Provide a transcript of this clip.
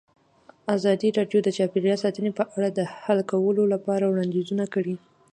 ازادي راډیو د چاپیریال ساتنه په اړه د حل کولو لپاره وړاندیزونه کړي.